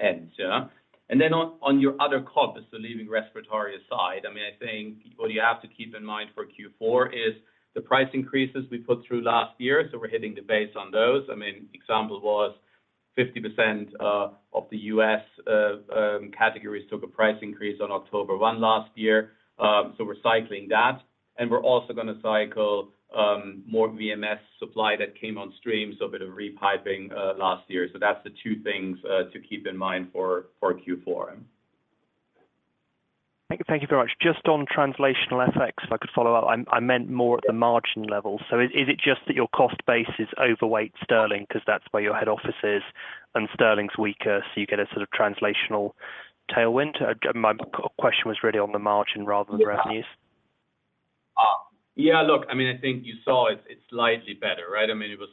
ends. Yeah. On your other comp, leaving respiratory aside, I mean, I think what you have to keep in mind for Q4 is the price increases we put through last year. We're hitting the base on those. I mean, example was 50% of the U.S. categories took a price increase on October 1 last year. We're cycling that. We're also gonna cycle more VMS supply that came on stream, so a bit of re-piping last year. That's the two things to keep in mind for Q4. Thank you very much. Just on translational FX, if I could follow up. I meant more at the margin level. So is it just that your cost base is overweight sterling 'cause that's where your head office is, and sterling's weaker, so you get a sort of translational tailwind? My question was really on the margin rather than revenues. Yeah. Yeah, look, I mean, I think you saw it's slightly better, right? I mean, it was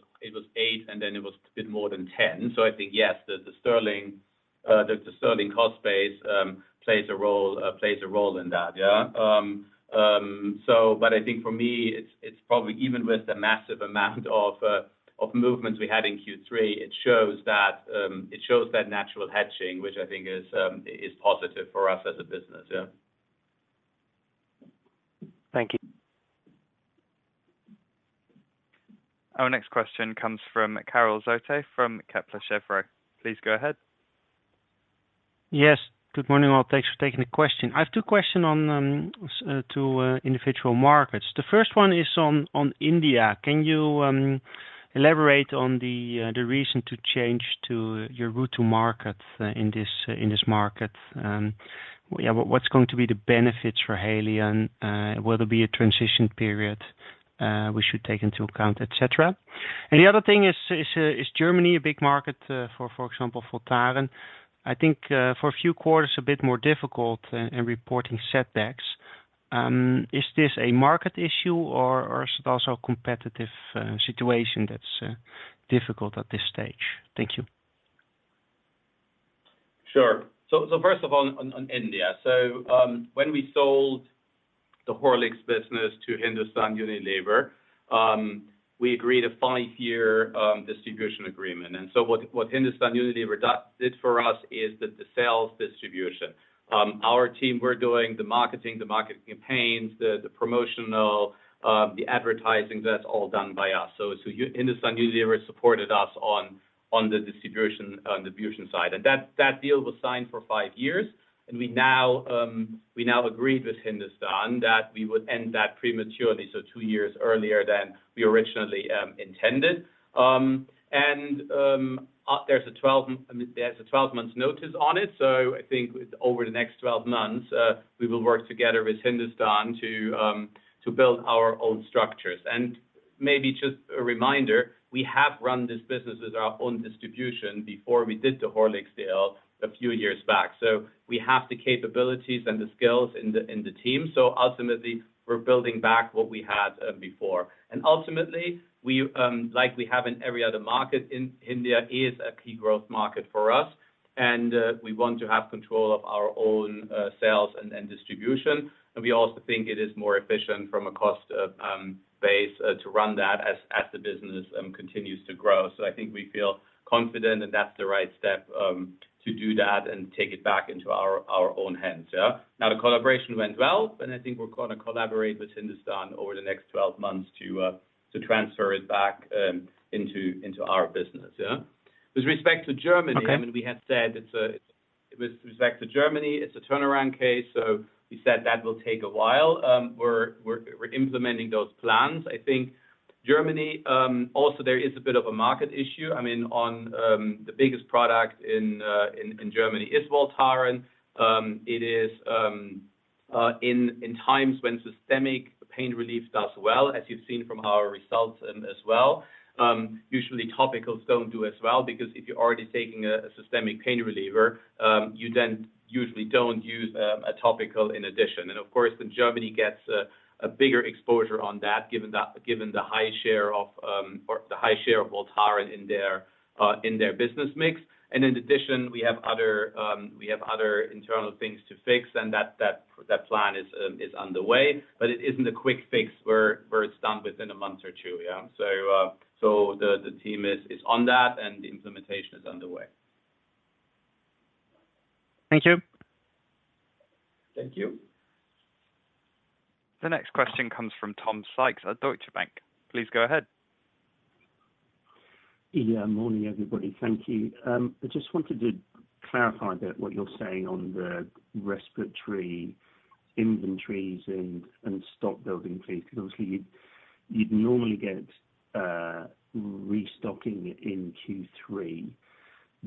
8, and then it was a bit more than 10. I think, yes, the sterling cost base plays a role in that. Yeah. But I think for me, it's probably even with the massive amount of movements we had in Q3, it shows that natural hedging, which I think is positive for us as a business. Yeah. Thank you. Our next question comes from Karel Zoete from Kepler Cheuvreux. Please go ahead. Yes. Good morning, all. Thanks for taking the question. I have two questions on two individual markets. The first one is on India. Can you elaborate on the reason to change to your route to market in this market? Yeah. What's going to be the benefits for Haleon? Will there be a transition period we should take into account, et cetera? The other thing is Germany a big market for example, Voltaren? I think for a few quarters, a bit more difficult in reporting setbacks. Is this a market issue or is it also a competitive situation that's difficult at this stage? Thank you. Sure. First of all, on India. When we sold the Horlicks business to Hindustan Unilever, we agreed a five-year distribution agreement. What Hindustan Unilever did for us is the sales distribution. Our team were doing the marketing, the marketing campaigns, the promotional, the advertising, that's all done by us. Hindustan Unilever supported us on the distribution side. That deal was signed for 5 years, and we now agreed with Hindustan that we would end that prematurely, so two years earlier than we originally intended. There's a 12 months notice on it, so I think over the next 12 months, we will work together with Hindustan to build our own structures. Maybe just a reminder, we have run this business as our own distribution before we did the Horlicks deal a few years back. We have the capabilities and the skills in the team. Ultimately, we're building back what we had before. Ultimately, like we have in every other market, India is a key growth market for us, and we want to have control of our own sales and distribution. We also think it is more efficient from a cost base to run that as the business continues to grow. I think we feel confident, and that's the right step to do that and take it back into our own hands, yeah? Now, the collaboration went well, and I think we're gonna collaborate with Hindustan over the next 12 months to transfer it back into our business, yeah? With respect to Germany. Okay. I mean, we have said it's a turnaround case with respect to Germany. It's a turnaround case. We said that will take a while. We're implementing those plans. I think Germany also there is a bit of a market issue. I mean, the biggest product in Germany is Voltaren. It is in times when systemic pain relief does well, as you've seen from our results as well, usually topicals don't do as well because if you're already taking a systemic pain reliever, you then usually don't use a topical in addition. Of course, then Germany gets a bigger exposure on that, given the high share of Voltaren in their business mix. In addition, we have other internal things to fix, and that plan is underway. It isn't a quick fix where it's done within a month or two, yeah? The team is on that, and the implementation is underway. Thank you. Thank you. The next question comes from Tom Sykes at Deutsche Bank. Please go ahead. Yeah. Morning, everybody. Thank you. I just wanted to clarify a bit what you're saying on the respiratory inventories and stock building please. 'Cause obviously you'd normally get restocking in Q3,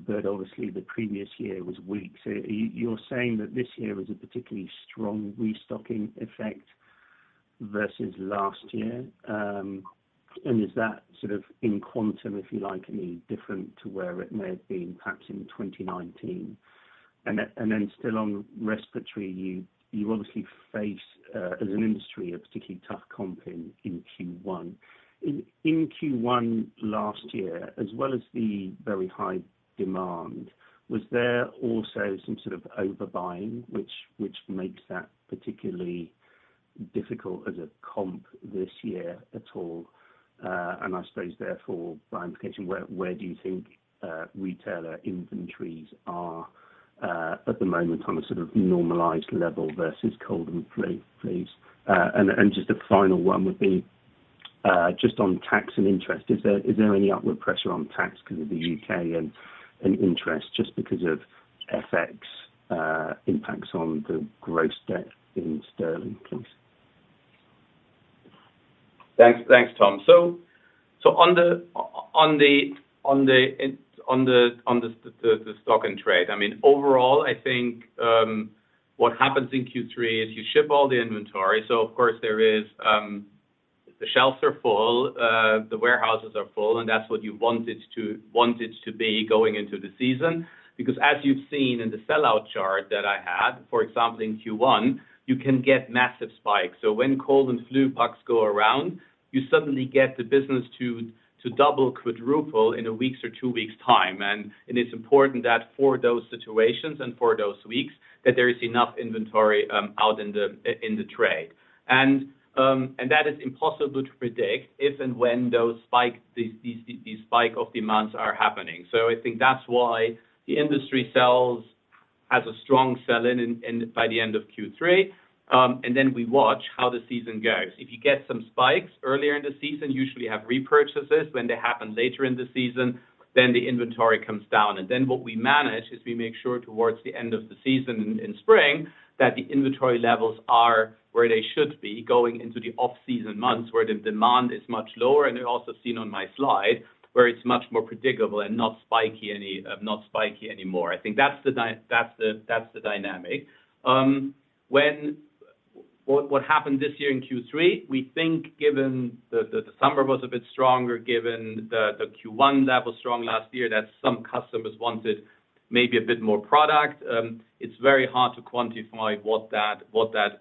but obviously the previous year was weak. You're saying that this year was a particularly strong restocking effect versus last year? Is that sort of in quantum, if you like, any different to where it may have been perhaps in 2019? Then still on respiratory, you obviously face as an industry a particularly tough comp in Q1. In Q1 last year, as well as the very high demand, was there also some sort of overbuying which makes that particularly difficult as a comp this year at all? I suppose therefore, by implication, where do you think retailer inventories are at the moment on a sort of normalized level versus cold and flu, please? Just a final one would be just on tax and interest, is there any upward pressure on tax 'cause of the UK and interest just because of FX impacts on the gross debt in sterling, please? Thanks. Thanks, Tom. On the stock and trade, I mean, overall, I think what happens in Q3 is you ship all the inventory. Of course there is the shelves are full, the warehouses are full, and that's what you want it to be going into the season. Because as you've seen in the sell-out chart that I had, for example, in Q1, you can get massive spikes. When cold and flu bugs go around, you suddenly get the business to double, quadruple in a week or two weeks time. It's important that for those situations and for those weeks, that there is enough inventory out in the trade. That is impossible to predict if and when those spikes, the spikes in demand are happening. I think that's why the industry has a strong sell-in by the end of Q3, and then we watch how the season goes. If you get some spikes earlier in the season, you usually have repurchases. When they happen later in the season, then the inventory comes down. What we manage is we make sure towards the end of the season in spring, that the inventory levels are where they should be going into the off-season months, where the demand is much lower. You also seen on my slide where it's much more predictable and not spiky anymore. I think that's the dynamic. What happened this year in Q3, we think given the summer was a bit stronger, given the Q1 that was strong last year, that some customers wanted. Maybe a bit more product. It's very hard to quantify what that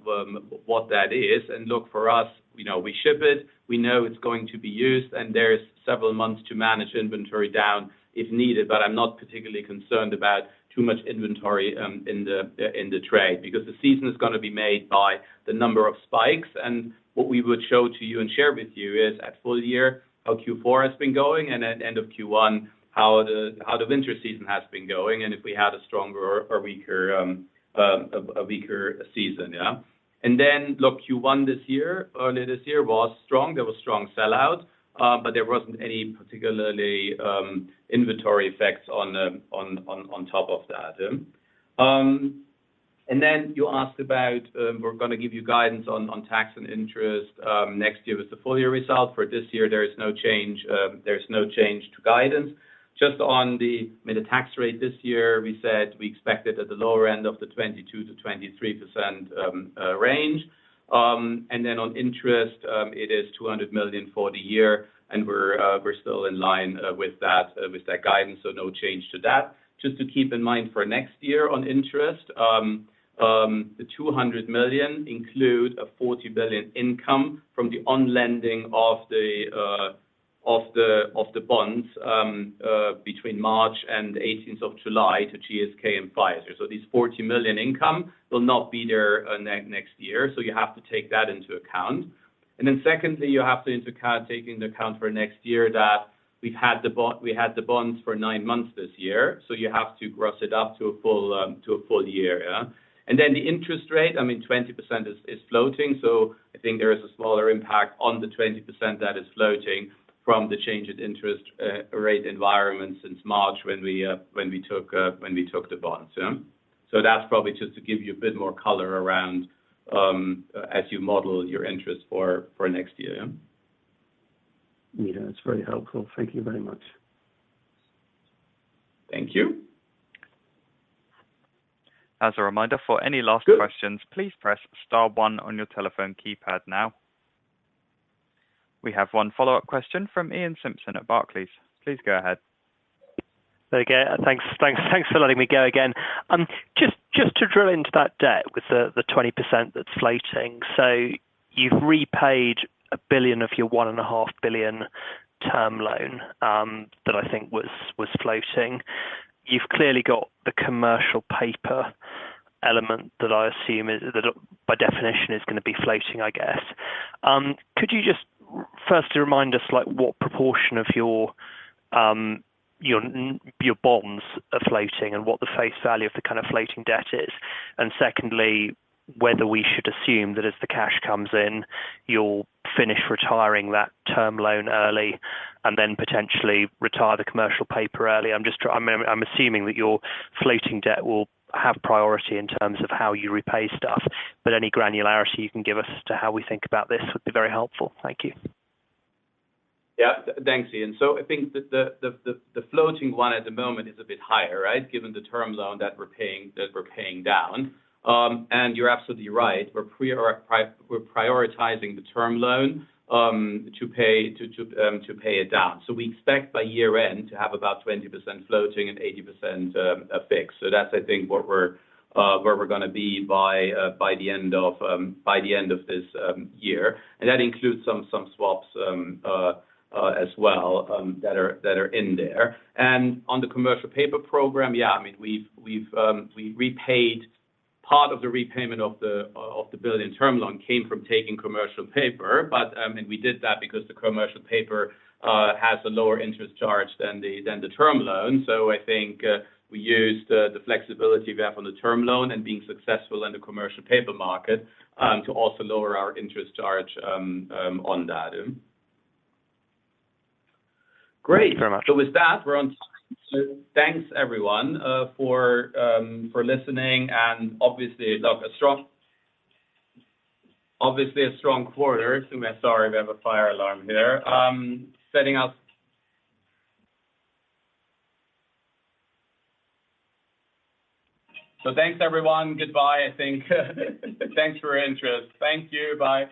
is. Look for us, we know we ship it. We know it's going to be used, and there's several months to manage inventory down if needed. But I'm not particularly concerned about too much inventory in the trade because the season is gonna be made by the number of spikes. What we would show to you and share with you is at full year how Q4 has been going and at end of Q1 how the winter season has been going, and if we had a stronger or weaker season. Look, Q1 this year, early this year was strong. There was strong sellout, but there wasn't any particularly inventory effects on top of that. You asked about. We're gonna give you guidance on tax and interest next year with the full year result. For this year, there is no change. There's no change to guidance. Just on the, I mean, the tax rate this year, we said we expected at the lower end of the 22%-23% range. On interest, it is 200 million for the year, and we're still in line with that guidance, so no change to that. Just to keep in mind for next year on interest, the 200 million include a 40 million income from the on lending of the bonds between March and the 18th of July to GSK and Pfizer. This 40 million income will not be there next year, so you have to take that into account. Secondly, you have to take into account for next year that we had the bonds for 9 months this year, so you have to gross it up to a full year, yeah. The interest rate, I mean, 20% is floating. I think there is a smaller impact on the 20% that is floating from the change in interest rate environment since March when we took the bonds. Yeah. That's probably just to give you a bit more color around as you model your interest for next year. Yeah. Yeah. That's very helpful. Thank you very much. Thank you. As a reminder, for any last questions please press star one on your telephone keypad now. We have one follow-up question from Iain Simpson at Barclays. Please go ahead. There we go. Thanks for letting me go again. Just to drill into that debt with the 20% that's floating. You've repaid 1 billion of your 1.5 billion term loan that I think was floating. You've clearly got the commercial paper element that I assume is, by definition, gonna be floating, I guess. Could you just firstly remind us, like, what proportion of your bonds are floating and what the face value of the kind of floating debt is? Secondly, whether we should assume that as the cash comes in, you'll finish retiring that term loan early and then potentially retire the commercial paper early. I'm assuming that your floating debt will have priority in terms of how you repay stuff, but any granularity you can give us to how we think about this would be very helpful. Thank you. Thanks, Ian. I think the floating one at the moment is a bit higher, right, given the term loan that we're paying down. You're absolutely right. We're prioritizing the term loan to pay it down. We expect by year-end to have about 20% floating and 80% fixed. That's I think where we're gonna be by the end of this year. That includes some swaps as well that are in there. On the commercial paper program, yeah, I mean, we've repaid part of the repayment of the GBP 1 billion term loan came from taking commercial paper. We did that because the commercial paper has a lower interest charge than the term loan. I think we used the flexibility we have on the term loan and being successful in the commercial paper market to also lower our interest charge on that. Great. Thank you very much. With that, thanks, everyone, for listening and obviously a strong quarter. Sorry, we have a fire alarm here. Thanks, everyone. Goodbye, I think. Thanks for your interest. Thank you. Bye.